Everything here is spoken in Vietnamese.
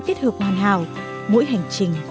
kết hợp hoàn hảo mỗi hành trình